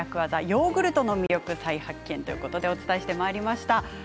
ヨーグルトの魅力再発見ということでお伝えしてまいりました。